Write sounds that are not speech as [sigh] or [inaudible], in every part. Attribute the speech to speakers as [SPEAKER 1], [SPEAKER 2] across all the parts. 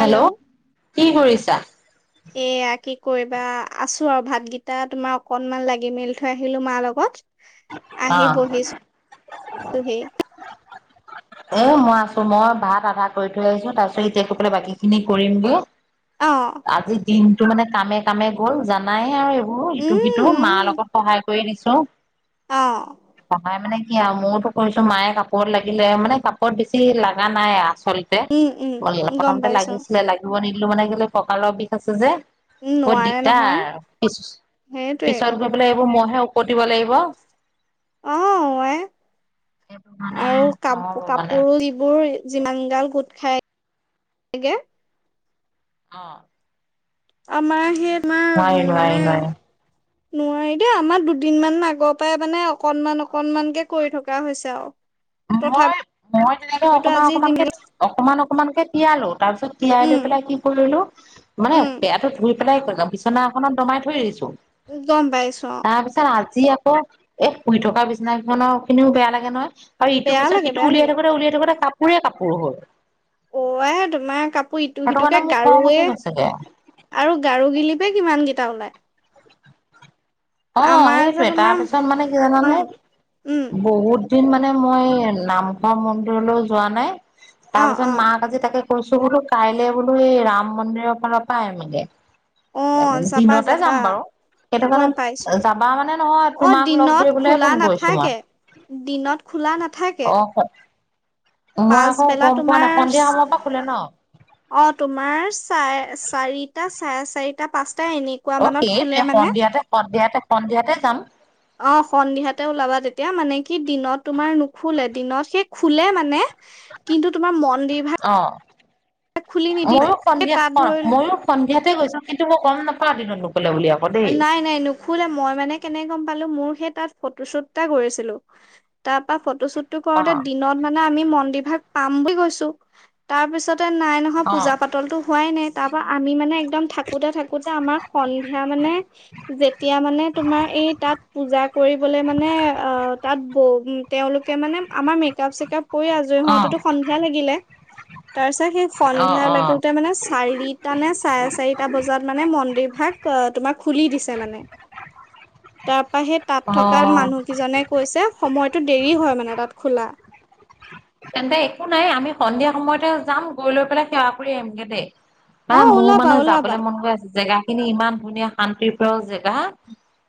[SPEAKER 1] Hello কি কৰিছা?
[SPEAKER 2] এয়া কি কৰিবা আছো আৰু ভাতগিটা তোমাৰ অকনমান লাগি মেলি থৈ আহিলো মাৰ লগত।
[SPEAKER 1] অ
[SPEAKER 2] আহি বহিছো হি।
[SPEAKER 1] এ মই আছো মই ভাত আধা কৰি থৈ আহিছো তাৰ পিছত এতিয়া কৈ পাই বাকী খিনি কৰিমগে।
[SPEAKER 2] অ
[SPEAKER 1] আজি দিনতটো মানে কামে কামে গ'ল জানাই আৰু।
[SPEAKER 2] উম
[SPEAKER 1] সিটো সিটো মাৰ
[SPEAKER 2] উম
[SPEAKER 1] লগত সহায় কৰি দিছো।
[SPEAKER 2] অ।
[SPEAKER 1] মাই মানে কি আও ম‌ইয়োতো কৰিছো মায়ে কাপোৰত লাগিলে মানে কাপোৰত বেছি লাগা নাই আচ চলতে
[SPEAKER 2] উম উম
[SPEAKER 1] ব
[SPEAKER 2] গম
[SPEAKER 1] প্ৰথমতে
[SPEAKER 2] পাইছ
[SPEAKER 1] লাগিছিলে লাগিব নিদিলো মানে কি ককালৰ বিষ আছে যে
[SPEAKER 2] উম
[SPEAKER 1] বহুত
[SPEAKER 2] নোৱাৰে নহয়
[SPEAKER 1] দিগদাৰ পি
[SPEAKER 2] সেইটোৱে
[SPEAKER 1] পিছত গৈ পেলাই এইবোৰ মই হে উকতিব লাগিব।
[SPEAKER 2] অ এ
[SPEAKER 1] এইবোৰ মানে নহব। মানে
[SPEAKER 2] পুৰণি যিবোৰ যিমান গাল গোট খাই লাগে।
[SPEAKER 1] অ।
[SPEAKER 2] আমাৰ সেই তোমাৰ
[SPEAKER 1] নোৱাৰি
[SPEAKER 2] মানে
[SPEAKER 1] নোৱাৰি নোৱাৰি।
[SPEAKER 2] নোৱাৰি দেই আমাৰ দুদিনমান আগৰ পৰাই মানে অকনমান অকনমানকে কৰি থকা হৈছে আও।
[SPEAKER 1] মই মই তেনেকে অকমান
[SPEAKER 2] আজি
[SPEAKER 1] অকমানকে
[SPEAKER 2] যিমান
[SPEAKER 1] অকমান অকমানকে তিয়ালো। তাৰপিছত তিয়াই
[SPEAKER 2] উম
[SPEAKER 1] লৈ পেলাই কি কৰিলো মানে
[SPEAKER 2] উম
[SPEAKER 1] বেয়াটো ধুই এই পাই বিচনাখনত দমাই থৈ দিছো।
[SPEAKER 2] গম পাইছো অ।
[SPEAKER 1] যি আকৌ এই শুই থকা বিছনা কখনৰ খিনিও বেয়া লাগে নহয়। আৰু ইটো
[SPEAKER 2] বেয়া
[SPEAKER 1] পিছত
[SPEAKER 2] লাগে
[SPEAKER 1] সিটো
[SPEAKER 2] বেয়া
[SPEAKER 1] উলিয়াই
[SPEAKER 2] লাগে
[SPEAKER 1] থাকোতে উলিয়াই থাকোতে কাপোৰে কাপোৰ হল।
[SPEAKER 2] অ আই তোমাৰ কাপ ইটো
[SPEAKER 1] সেইটো কাৰণে
[SPEAKER 2] সিটোকে
[SPEAKER 1] মোৰ খং
[SPEAKER 2] গাৰুৱে
[SPEAKER 1] উঠি গৈছেগে
[SPEAKER 2] আৰু গাৰু গিলি পে কিমান কেইটা ওলাই [unintelligible]
[SPEAKER 1] অ
[SPEAKER 2] আমাৰ যে
[SPEAKER 1] সেইটোয়ে
[SPEAKER 2] তোমাৰ
[SPEAKER 1] তাৰপিছত মানে কি জান নে
[SPEAKER 2] উম উম
[SPEAKER 1] বহুত দিন মানে মই নামঘৰ মন্দিৰলৈ যোৱা নাই
[SPEAKER 2] অ
[SPEAKER 1] তাৰপিছত
[SPEAKER 2] অ
[SPEAKER 1] মাক আজি তাকে কৈছো বোলো কাইলে বোলো এই ৰাম মন্দিৰৰ ফালৰ পৰা আহিমগে
[SPEAKER 2] অ যাবা
[SPEAKER 1] দিনতে
[SPEAKER 2] যাবা
[SPEAKER 1] যাম বাৰু সেইটো
[SPEAKER 2] গম পাইছো
[SPEAKER 1] কাৰণে যাবা মানে নহয়
[SPEAKER 2] অ
[SPEAKER 1] তোমাক লগ
[SPEAKER 2] দিনত
[SPEAKER 1] ধৰিবলে হে
[SPEAKER 2] খোলা
[SPEAKER 1] ফোন কৰিছো
[SPEAKER 2] নাথাকে
[SPEAKER 1] মই
[SPEAKER 2] দিনত খোলা নাথাকে
[SPEAKER 1] অ মই আকৌ
[SPEAKER 2] পাচবেলা
[SPEAKER 1] গম পোৱা নাই
[SPEAKER 2] তোমাৰ
[SPEAKER 1] সন্ধিয়া সময়ৰ পৰা খোলে ন
[SPEAKER 2] অ তোমাৰ চাৰে চাৰিটা চাৰে চাৰিটা পাঁচ
[SPEAKER 1] অ সেইটে সন্ধিয়াতে সন্ধিয়াতে সন্ধিয়াতে যাম
[SPEAKER 2] অ সন্ধিয়াতে ওলাবা তেতিয়া মানে কি দিনত তোমাৰ নুখুলে দিনত সেই খুলে মানে কিন্তু তোমাৰ মন্দিৰ ভাগ
[SPEAKER 1] অ
[SPEAKER 2] খুলি নিদিয়ে নাই।
[SPEAKER 1] ময়ো
[SPEAKER 2] সেই
[SPEAKER 1] সন্ধিয়া
[SPEAKER 2] তাত
[SPEAKER 1] ক
[SPEAKER 2] ধৰি
[SPEAKER 1] ময়ো সন্ধিয়াতে গৈছো কিন্তু মই গম নাপাওঁ দিনত নুখু
[SPEAKER 2] নাই নাই নুখুলে মই মানে কেনেক গম পালো মোৰ সেই তাত ফটোশ্বুত এটা কৰিছিলো তাপা ফটোশ্বুট টো
[SPEAKER 1] অ
[SPEAKER 2] কৰোতে দিনত মানে আমি মন্দিৰভাগ পাম বুলি গৈছো তাৰপিছত নাই নহয়
[SPEAKER 1] অ
[SPEAKER 2] পূজা পাতলতো হোৱাই নাই তাৰ পৰাা আমি মানে একদম থাকোতে থাকোতে আমাৰ সন্ধিয়া মানে যেতিয়া মানে তোমাৰ এই তাত পূজা কৰিবলে মানে আহ তাত তেওঁলোকে মানে আমাৰ মেকাপ চেকাপ কৰি আজৰি
[SPEAKER 1] অ
[SPEAKER 2] হওতেটো সন্ধিয়া লাগিলে তাৰ পিছত সেই
[SPEAKER 1] অ অ
[SPEAKER 2] সন্ধিয়া লাগোতে মানে চাৰিটা নে চাৰে চাৰিটা বজাত মানে মন্দিৰভাগ তোমাক খুলি দিছে মানে তাৰ পা সেই তাত
[SPEAKER 1] অ
[SPEAKER 2] থকা মানুহকেইজনে কৈছে সময়টো দেৰি হয় মানে তাত খোলা
[SPEAKER 1] তেন্তে একো নাই আমি সন্ধিয়া সময়তে যাম গৈ লৈ পেলাই সেৱা কৰি আহিমগে দেই
[SPEAKER 2] অ',
[SPEAKER 1] মোৰ
[SPEAKER 2] ওলাবা
[SPEAKER 1] মানে
[SPEAKER 2] ওলাবা
[SPEAKER 1] যাবলৈ মন গৈ আছে জেগা খিনি ইমান ধুনীয়া শান্তি প্ৰিয় জেগা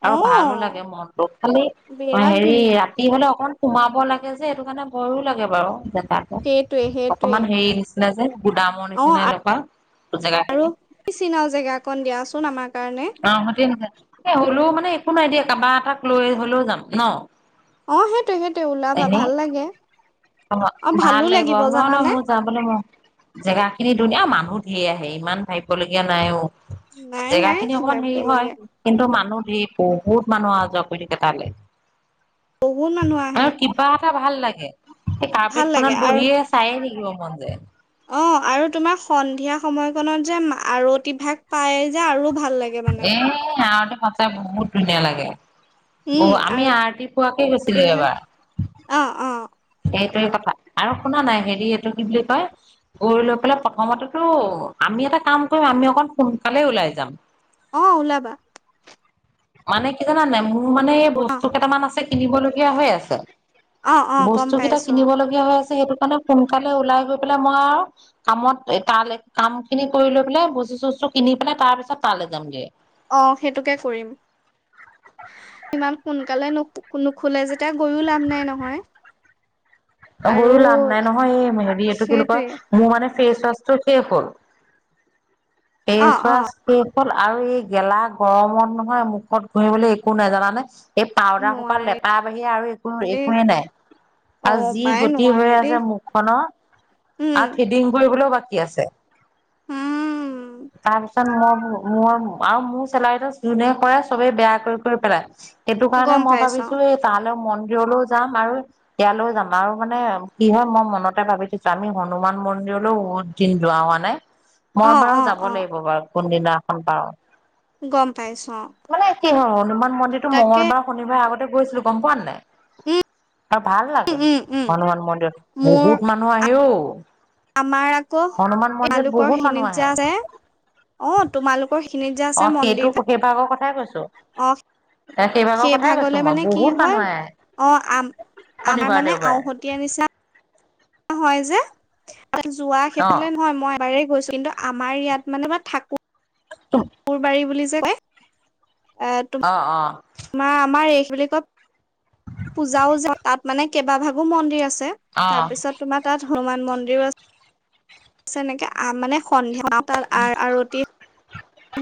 [SPEAKER 1] আৰু ভালো লাগে
[SPEAKER 2] অ',
[SPEAKER 1] মনটো খালি
[SPEAKER 2] বিৰাট
[SPEAKER 1] হেৰি
[SPEAKER 2] ধুনীয়া।
[SPEAKER 1] ৰাতি হলে অকন সোমাব লাগে সেইটো কাৰণে ভয়ো লাগে বাৰু জেগাতটো
[SPEAKER 2] সেইটোৱে সেইটোৱে
[SPEAKER 1] অকমান হেৰি ন যে গুদামৰ
[SPEAKER 2] অ',
[SPEAKER 1] নিচিনা এনেকুৱা
[SPEAKER 2] আৰু
[SPEAKER 1] জেগাখিনি
[SPEAKER 2] চিনাও জেগা অকন দিয়াচোন আমাৰ কাৰণে।
[SPEAKER 1] অ সতে হলেও মানে একো নাই দিয়া কাবা এটাক লৈ হলেও যাম ন
[SPEAKER 2] অ সেইটো সেইটো ওলাবা
[SPEAKER 1] এনেই
[SPEAKER 2] ভাল লাগে
[SPEAKER 1] অ ভাল লাগিব নহয় নহয় মোৰ যাবলৈ মোৰ জেগা খিনি ধুনীয়া মান মানুহ ধেই আহে ইমান ভাবিবলগীয়া নাই অ
[SPEAKER 2] নাই
[SPEAKER 1] জেগা
[SPEAKER 2] নাই
[SPEAKER 1] খিনি অকমান হেৰি হয়
[SPEAKER 2] বেলেগে
[SPEAKER 1] কিন্তু মানুহ বহুত মানুহ অহা যোৱা কৰি থাকে তালে
[SPEAKER 2] বহুত মানুহ আহে
[SPEAKER 1] আৰু কিবা এটা ভাল লাগে সেই
[SPEAKER 2] ভাল
[SPEAKER 1] কাৰ্পেট
[SPEAKER 2] লাগে
[SPEAKER 1] খনত
[SPEAKER 2] আৰু
[SPEAKER 1] বহিয়ে চায়ে থাকিব মন যায়
[SPEAKER 2] অ আৰু তোমাৰ সন্ধিয়া সময়কনত যে আৰতিভাগ পায় যে আৰু ভাল লাগে মানে।
[SPEAKER 1] এ ইয়াতে পাতে বহুত ধুনীয়া লাগে
[SPEAKER 2] উম,
[SPEAKER 1] আমি আৰতি পুৱাকে
[SPEAKER 2] আৰতি
[SPEAKER 1] গৈছিলো
[SPEAKER 2] ভাগ
[SPEAKER 1] এবাৰ
[SPEAKER 2] অ', অ',
[SPEAKER 1] এইটোৱে কথা আৰু শুনা নাই হেৰি এইটো কি বুলি কয় উৰি লৈ পেলাই প্ৰথমতেতো আমি এটা কাম কৰিম আমি অকণ সোনকালে ওলাই যাম
[SPEAKER 2] অ ওলাবা
[SPEAKER 1] মানে কি জানানে মোৰ মানে এই
[SPEAKER 2] অ',
[SPEAKER 1] বস্তু কেইটামান আছে কিনিবলগীয়া হৈ আছে
[SPEAKER 2] অ', অ', গম
[SPEAKER 1] বস্তু কেইটা
[SPEAKER 2] পাইছো
[SPEAKER 1] কিনিব
[SPEAKER 2] অ',
[SPEAKER 1] লগীয়া হৈ আছে সেইটো কাৰণে সোনকালে ওলাই গৈ পেলাই মই আৰু কামত তাল কাম খিনি কৰি লৈ পেলাই ব বস্তু চষ্টো কিনি পেলাই তাৰ পিছত তালৈ যামগে
[SPEAKER 2] অ সেইটোকে কৰিম ইমান সোনকালে ন নুখোলে যেতিয়া গৈও লাভ নাই নহয়
[SPEAKER 1] অ
[SPEAKER 2] আৰু
[SPEAKER 1] গৈও লাভ নাই নহয় এই হেৰি এইটো কি বুলি কয়
[SPEAKER 2] সেইটোৱে
[SPEAKER 1] মোৰ মানে ফেচৱাছটো শেষ হ'ল ফেচ
[SPEAKER 2] অ', অ',
[SPEAKER 1] ৱাছ। আৰু এই গেলা গৰমত নহয় মুখত ঘহিবলৈ একো নাই জানানে এই পাউদাৰ সোপা
[SPEAKER 2] নোৱাৰি
[SPEAKER 1] লেপাৰ বাহিৰে আৰু একো
[SPEAKER 2] দেই
[SPEAKER 1] একোৱে নাই
[SPEAKER 2] অ',
[SPEAKER 1] ই
[SPEAKER 2] পাই
[SPEAKER 1] গতি
[SPEAKER 2] নোৱাৰে
[SPEAKER 1] হৈ
[SPEAKER 2] দেই
[SPEAKER 1] আছে মুখখনৰ
[SPEAKER 2] উম,
[SPEAKER 1] আৰু থিডিং কৰি। বাকী আছে
[SPEAKER 2] উম,
[SPEAKER 1] তাৰপিছত মই মোৰ আৰু মোৰ চেলাৰীটো যোনে কৰে চবেই বেয়া কৰি কৰি পেলাই সেইটো কাৰণে
[SPEAKER 2] গম
[SPEAKER 1] মই
[SPEAKER 2] পাইছো
[SPEAKER 1] ভাবিছো এই তালৈ মন্দিৰলৈও যাম আৰু ইয়ালৈও যাম আৰু মানে কি হয় মই মনতে ভাবি থৈছো আমি হনুমান মন্দিৰলৈও বহুত দিন যোৱা হোৱা নাই মই
[SPEAKER 2] অ',
[SPEAKER 1] বাৰু
[SPEAKER 2] অ',
[SPEAKER 1] যাব
[SPEAKER 2] অ',
[SPEAKER 1] লাগিব বাৰু কোনদিনাখন পাৰোঁ।
[SPEAKER 2] গম পাইছো অ',
[SPEAKER 1] মানে কি হয় হনুমান মন্দিৰটো
[SPEAKER 2] তাকে
[SPEAKER 1] মঙ্গলবাৰ শনিবাৰ আগতে। গৈছিলো গম পোৱা নাই আৰু ভাল লাগে
[SPEAKER 2] উম, উম, উম,
[SPEAKER 1] হনুমান মন্দিৰত।
[SPEAKER 2] মোৰ
[SPEAKER 1] বহুত মানুহ আহে অও।
[SPEAKER 2] আমাৰ আকৌ তেওঁলোকৰ
[SPEAKER 1] বহুত মানুহ
[SPEAKER 2] খিনিত যে
[SPEAKER 1] আহে।
[SPEAKER 2] আছে অ তোমালোকৰ খিনিত যে
[SPEAKER 1] অ
[SPEAKER 2] আছে
[SPEAKER 1] সেইটো
[SPEAKER 2] মন্দিৰ
[SPEAKER 1] সেইভাগৰ কথাই কৈছো।
[SPEAKER 2] ভাগ
[SPEAKER 1] এ সেইভাগৰ
[SPEAKER 2] সেই
[SPEAKER 1] কথাই কৈছো
[SPEAKER 2] ভাগলে
[SPEAKER 1] মই
[SPEAKER 2] মানে কি
[SPEAKER 1] বহুত
[SPEAKER 2] হয়
[SPEAKER 1] মানুহ আহে
[SPEAKER 2] অ আম আমাৰ
[SPEAKER 1] শনিবাৰ
[SPEAKER 2] মানে আমাৰ
[SPEAKER 1] দেওবাৰে
[SPEAKER 2] আওহতীয়া নিচিনা হয় যে যোৱা
[SPEAKER 1] অ
[SPEAKER 2] সেইফালে নহয় মই ব ছ কিন্তু আমাৰ ইয়াত মানে বা থাকো মোৰ বাৰী বুলি যে কয়
[SPEAKER 1] অ -অ
[SPEAKER 2] মাৰ আমাৰ এই বুলি কয় পূজাও যা তাত মানে কেইবা ভাগো মন্দিৰ আছে।
[SPEAKER 1] অ
[SPEAKER 2] তাৰ পিছত তোমাৰ তাত হনুমান মন্দিৰও আছে তেনেকে মানে সন্ধিয়া তাত আৰতি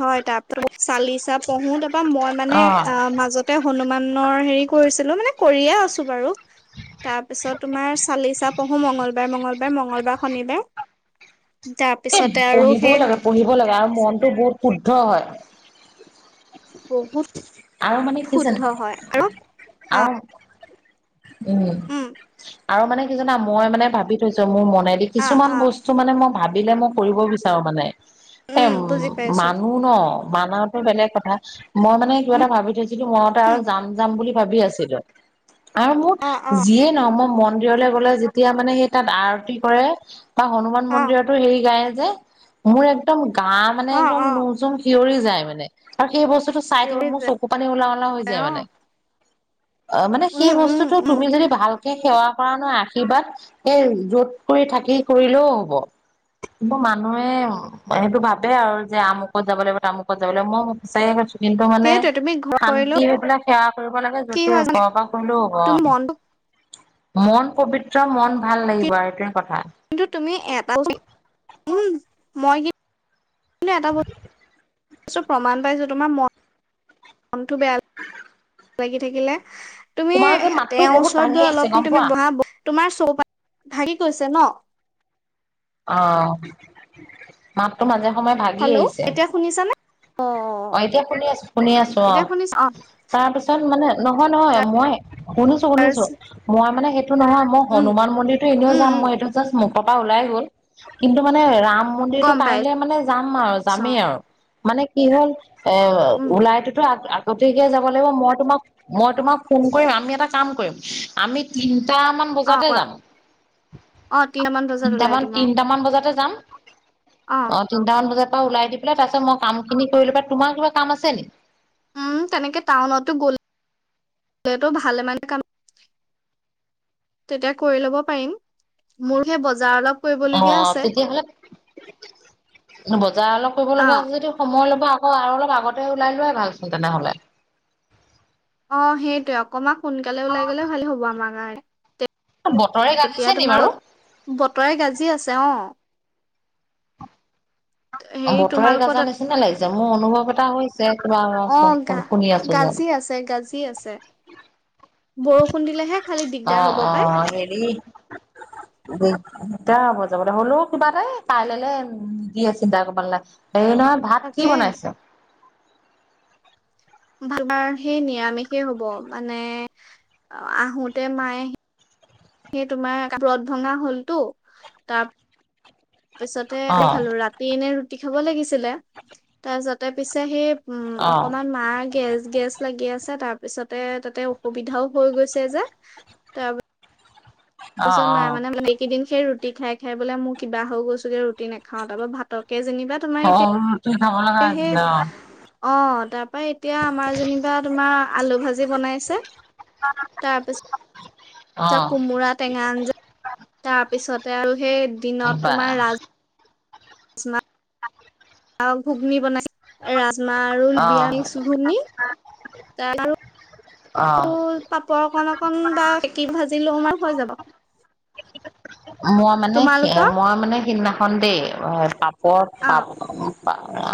[SPEAKER 2] হয় তাৰপিছত চালিচা পঢ়ো তাৰপা মই মানে অ মাজতে হনুমান হেৰি কৰিছিলো মানে কৰিয়ে আছো বাৰু তাৰ পিছত তোমাৰ চালিচা পঢ়ো মঙগলবাৰে মঙগলবাৰে মঙগলবাৰে শনিবাৰ
[SPEAKER 1] [inaudible]
[SPEAKER 2] তাৰ
[SPEAKER 1] এ
[SPEAKER 2] পিছতে আৰু
[SPEAKER 1] পঢ়িবও
[SPEAKER 2] সেই
[SPEAKER 1] লাগে পঢ়িব লাগে আৰু মনতটো বহুত শুদ্ধ হয়।
[SPEAKER 2] বহুত
[SPEAKER 1] আৰু মানে কি
[SPEAKER 2] শুদ্ধ
[SPEAKER 1] জানে
[SPEAKER 2] হয় আৰু অ
[SPEAKER 1] আৰু উম আৰু মানে কি জনা মই মানে ভাবি থৈছো মোৰ মন মানে
[SPEAKER 2] অ
[SPEAKER 1] কিছুমান
[SPEAKER 2] অ
[SPEAKER 1] বস্তু মানে মই ভাবিলে মই কৰিব বিচাৰো মানে এ উম
[SPEAKER 2] বুজি পাইছো
[SPEAKER 1] মানুহ ন মানওঁতে বেলেগ কথা মই মানে কিবা এটা ভাবি থৈছিলো মইতে আৰু
[SPEAKER 2] উম
[SPEAKER 1] যাম যাম বুলি ভাবি আছিলো। আৰু মোৰ
[SPEAKER 2] অ অ
[SPEAKER 1] যিয়ে ন মই মন্দিৰলৈ গলে যেতিয়া মানে সেই তাত আৰতি কৰে। বা হনুমান
[SPEAKER 2] অ
[SPEAKER 1] মন্দিৰতো হেৰি গায়ে যে মোৰ একদম গা মানে
[SPEAKER 2] অ
[SPEAKER 1] একদম
[SPEAKER 2] অ
[SPEAKER 1] নুম চুম খিঞৰি যায় মানে আৰু সেই বস্তুটো চাই থাকি
[SPEAKER 2] থিয়ৰি
[SPEAKER 1] মোৰ চকু পানী ওলাওঁ ওলাওঁ হৈ যায় মানে অ মানে সেই
[SPEAKER 2] উম উম
[SPEAKER 1] বস্তুতটো
[SPEAKER 2] উম
[SPEAKER 1] তুমি যদি ভালকে সেৱা কৰা নাই আশীৰ্বাদ স যত কৰি থাকি কৰিলেও হব। কিন্তু মানুহে সেইটো ভাবে আৰু যে আমুকত যাব লাগিব তামুকত যাব লাগিব মই সচে কৈছো। কিন্তু মানে
[SPEAKER 2] সেইটোৱে তুমি ঘৰ কৰি
[SPEAKER 1] শান্তি
[SPEAKER 2] ল'ব
[SPEAKER 1] এইবিলাক সেৱা কৰিব লাগে
[SPEAKER 2] কি
[SPEAKER 1] যতে
[SPEAKER 2] হয়
[SPEAKER 1] ঘ
[SPEAKER 2] জানে
[SPEAKER 1] পৰা কলো
[SPEAKER 2] তুমি মনটো
[SPEAKER 1] মন পবিত্ৰ মন ভাল লাগিব আৰু এইটোৱে কথা।
[SPEAKER 2] কিন্তু তুমি এটাত উ মই কি কি এটা বস্তু প্ৰমাণ পাইছো তোমাৰ মন মনটো বেয়া লাগি থাকিলে। তুমি
[SPEAKER 1] তোমাৰ যে মাতটো
[SPEAKER 2] তেওঁৰ
[SPEAKER 1] বহুত
[SPEAKER 2] ওচৰত
[SPEAKER 1] ভাঙি
[SPEAKER 2] গৈ
[SPEAKER 1] আহিছে
[SPEAKER 2] অলপ
[SPEAKER 1] গম
[SPEAKER 2] তুমি
[SPEAKER 1] পোৱা?
[SPEAKER 2] বা তোমাৰ চৌপা ভঙি গৈছে ন
[SPEAKER 1] অ মাততো মাজে সময়ে ভাগি
[SPEAKER 2] হেল্ল'
[SPEAKER 1] আহিছে।
[SPEAKER 2] এতিয়া শুনিছানে? অ
[SPEAKER 1] অ' এতিয়া শুনি আছো শুনি আছো অ
[SPEAKER 2] এতিয়া শুনিছ
[SPEAKER 1] তাৰপিছত মানে নহয় নহয় মই শুনিছো শুনিছো মই মানে সেইটো নহয় মই
[SPEAKER 2] উম
[SPEAKER 1] হনুমান মন্দিৰতো এনেও
[SPEAKER 2] উম
[SPEAKER 1] যাম
[SPEAKER 2] উম
[SPEAKER 1] মই এইটো জাষ্ট পৰা ওলাই গল কিন্তু মানে ৰাম মন্দিৰতটো
[SPEAKER 2] গম
[SPEAKER 1] কাইলেলৈ মানে যাম আৰু
[SPEAKER 2] পাইছো অ
[SPEAKER 1] যামেই আৰু মানে কি হ'ল এ
[SPEAKER 2] উম
[SPEAKER 1] ওলাইটোতো গতিকে যাব লাগিব। মই তোমাক মই তোমাক ফোন কৰিম আমি এটা কাম কৰিম। আমিতি টামান
[SPEAKER 2] অ
[SPEAKER 1] বজাতে
[SPEAKER 2] কোৱা
[SPEAKER 1] যাম
[SPEAKER 2] অ তিনটামান বজাত ওলাই
[SPEAKER 1] তিনটামান
[SPEAKER 2] দিম অ
[SPEAKER 1] তিনটামান বজাতে যাম। অ' তিনটামান বজাৰ পৰা ওলাই দি পেলাই তাৰপিছত মই কাম খিনি কৰিলো। প তোমাৰ কিবা কাম আছে নেকি?
[SPEAKER 2] উম তেনেকে টাউনতো গ'লে ভাল মানে কাম তেতিয়া কৰি ল'ব পাৰিম। মোৰহে
[SPEAKER 1] অ' তেতিয়াহ'লে বজাৰ অলপ কৰিব
[SPEAKER 2] অ
[SPEAKER 1] লগা আছে। যদি সময় অলপ আ আৰু অলপ আগতে ওলাই যোৱা ভাল আছিল। তেনেহ'লে
[SPEAKER 2] অ' সেইটোয়ে অকমান সোনকালে ওলাই গ'লে ভালে হ'ব আমাৰ গ
[SPEAKER 1] বতৰে
[SPEAKER 2] এতিয়া
[SPEAKER 1] গাজিছে নি
[SPEAKER 2] তোমাৰ
[SPEAKER 1] বাৰু
[SPEAKER 2] বতৰে গাজি আছে অ'। হেৰি
[SPEAKER 1] বতৰে
[SPEAKER 2] তোমালোকৰ
[SPEAKER 1] গাজাৰ
[SPEAKER 2] তাত
[SPEAKER 1] নিচিনা লাগিছে। মোৰ অনুভৱ এটা চে
[SPEAKER 2] অ', গা
[SPEAKER 1] তোমাৰ শুনি আছো
[SPEAKER 2] গাজি আছে গাজি আছে
[SPEAKER 1] মই।
[SPEAKER 2] বৰষুণ দিলেহে খালি দিগদাৰ হ'ব
[SPEAKER 1] আহ
[SPEAKER 2] পাই
[SPEAKER 1] আহ হেৰি। এতিয়া হ'ব। যাবলৈ হ'লেও কিবা এাই কাইলে দিয়ে চিন্তা কৰিব নালাগে এই নহয় ভাত
[SPEAKER 2] তাকে
[SPEAKER 1] কি বনাইছ?
[SPEAKER 2] ভাল বাৰ সেই নিৰামিষেই হ'ব মানে। আহোতে মায়ে আহি সেই তোমাৰ ব্ৰত ভঙা হলতো তাৰ। তাৰ পিছতে
[SPEAKER 1] অ
[SPEAKER 2] ৰা খালো ৰাতি এনে ৰুটি খাব লাগিছিলে। তাৰপিছতে পিছে সেই উম
[SPEAKER 1] অ
[SPEAKER 2] অকমান মাৰ গে গেছ লাগি আছে। তাৰ পিছতে তাতে অসুবিধাও হৈ গৈছে। যে তাৰ
[SPEAKER 1] অ
[SPEAKER 2] তাৰপিছ মে
[SPEAKER 1] অ
[SPEAKER 2] মানে মে কেইদিন খ ৰুি ৰুটি খাই খাই বোলে। মোৰ কিবা হৈ গৈছো। যে ৰুটি নাখাও তাৰপ ভাতকে যেনিবা
[SPEAKER 1] অ
[SPEAKER 2] তোমাৰ
[SPEAKER 1] ৰুটি খাব লগা
[SPEAKER 2] এতিয়া সেই
[SPEAKER 1] আছিলে
[SPEAKER 2] অ' তাৰ তাপা এতিয়া আমাৰ যেনিবা তোমাৰ আলু ভাজি বনাইছে তাৰপিছত তাৰপিছত কোমোৰা টেঙা আঞ্জা তাৰপিছতে আৰু সেই
[SPEAKER 1] অ
[SPEAKER 2] দিনত
[SPEAKER 1] বা
[SPEAKER 2] তোমাৰ ৰাজ
[SPEAKER 1] আ
[SPEAKER 2] আৰু ঘুগনি বনাই ৰাজমাহ আৰু
[SPEAKER 1] অ
[SPEAKER 2] বিয়া মিক্স ঘুগনি তাৰ
[SPEAKER 1] অ
[SPEAKER 2] ত পাপৰ অকণক খ বা সকী ভাজি লো মাৰ হৈ যাব।
[SPEAKER 1] মই মানে
[SPEAKER 2] তোমালোকৰ
[SPEAKER 1] মই মানে সিদিনাখন দেই পাপৰ
[SPEAKER 2] অ
[SPEAKER 1] পাপ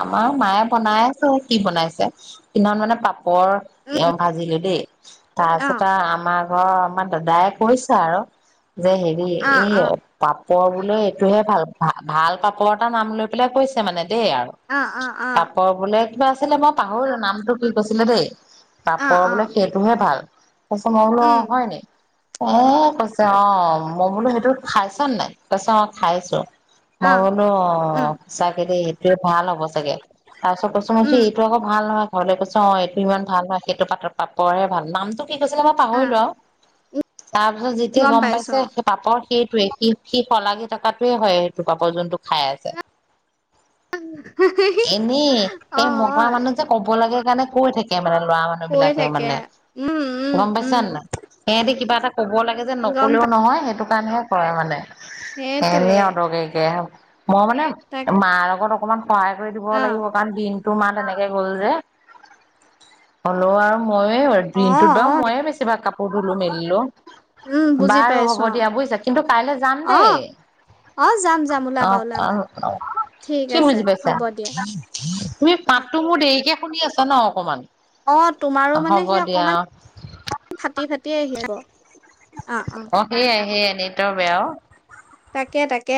[SPEAKER 1] আমাৰ মায়ে বনাই আছে কি বনাইছে কি মানে পাপ কৰ
[SPEAKER 2] উম
[SPEAKER 1] এওঁ ভাজিলো দেই
[SPEAKER 2] অ
[SPEAKER 1] তাৰপিছত আৰু আমাৰ ঘ আমাৰ দাদাই কৈছে আৰু যে হেৰি
[SPEAKER 2] অ অ
[SPEAKER 1] এই পাপ পাপৰ বোলে। এইটোহে ভাল ভ ভাল পাপৰ এটা নাম লৈ পেলাই কৈছে মানে দেই আৰু
[SPEAKER 2] অ অ অ
[SPEAKER 1] তাপৰ বোলে কিবা আছিলে। মই পাহৰিলো নামতটো কি কৈছিলে দেই।
[SPEAKER 2] অ
[SPEAKER 1] পাপৰ
[SPEAKER 2] অ
[SPEAKER 1] বোলে সেইটোহে ভাল। ক মই বোলো
[SPEAKER 2] উম
[SPEAKER 1] অ' হয় ন অ কৈছে অ' মই বোলো। খাইছ ন নাই তাৰছত মই খাইছো
[SPEAKER 2] অ
[SPEAKER 1] মই বোলো
[SPEAKER 2] উম
[SPEAKER 1] অ' সঁচাক কেদি স ভাল হ'ব চাগে তাৰপিছত কৈচোন মছি
[SPEAKER 2] উম
[SPEAKER 1] এইটো আকৌ ভাল নহয়। ঘৰলৈ কৈছো অ' এইটো ইমান ভাল ন সেইটো পাত পাপৰহে ভাল নামটো কি কৈছে নে মই
[SPEAKER 2] আহ
[SPEAKER 1] পাহৰিলো আৰু তাৰ পিছত যেতিয়া গম পাইছে। সেই পাপৰ সেইটোৱে স সি শলাগি থকাতোৱে হয়। সেইটো পাপ যোনটো খাই আছে। এনেই
[SPEAKER 2] অ অ
[SPEAKER 1] সেই মগা
[SPEAKER 2] হয়,
[SPEAKER 1] মানুহ যে ক'ব লাগে। কাৰণে কৈ থাকে। মানে লৰা মানুহ
[SPEAKER 2] কৈ
[SPEAKER 1] বিলাকে
[SPEAKER 2] থাকে
[SPEAKER 1] মানে
[SPEAKER 2] উম উম
[SPEAKER 1] গম
[SPEAKER 2] উম
[SPEAKER 1] পাইছা নাই? সিহঁতি কিবা এটা ক'ব লাগে যে
[SPEAKER 2] গম
[SPEAKER 1] নক'লেও
[SPEAKER 2] পাই
[SPEAKER 1] নহয় সেইটো কাৰণেহে কৰে মানে। এনে
[SPEAKER 2] সেইটোৱে
[SPEAKER 1] অতকাইকে মই মানে
[SPEAKER 2] তাক
[SPEAKER 1] মাৰ লগত। অকমান সহায় কৰি দিব
[SPEAKER 2] অ
[SPEAKER 1] লাগিব কাৰণ দিনটো মাত এনেকে গ'ল যে হ'লেও আৰু ময়ে
[SPEAKER 2] অ
[SPEAKER 1] দিনতো
[SPEAKER 2] অ
[SPEAKER 1] দম ময়ে বেছিভাগ কাপোৰ ধুলো মেলিলো।
[SPEAKER 2] উম বুজি
[SPEAKER 1] বাৰু হ'ব
[SPEAKER 2] পাইছো
[SPEAKER 1] দিয়া বুজিছা কিন্তু কাইলৈ যাম
[SPEAKER 2] অ অ
[SPEAKER 1] দেই।
[SPEAKER 2] অ যাম যাম।
[SPEAKER 1] অ
[SPEAKER 2] ওলাবা
[SPEAKER 1] অ
[SPEAKER 2] ওলাবা
[SPEAKER 1] অ
[SPEAKER 2] ঠিক
[SPEAKER 1] কি
[SPEAKER 2] আছে
[SPEAKER 1] বুজি পাইছা
[SPEAKER 2] হ'ব দিয়া
[SPEAKER 1] তুমি পাতটো মোৰ দেৰিকে শুনি আছা ন অকণমান
[SPEAKER 2] অ তোমাৰো মানে সি অকমান ফাটি ফাটি আহিব
[SPEAKER 1] অ সেইয়াই সেইয়াই নেইত বেয়াও
[SPEAKER 2] তাকে তাকে